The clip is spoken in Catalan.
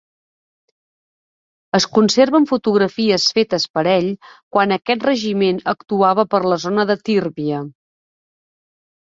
Es conserven fotografies fetes per ell quan aquest regiment actuava per la zona de Tírvia.